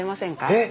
えっ！